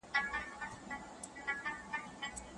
دغه حاجي چي دی د پوهني په برخي کي یو مشعل دی.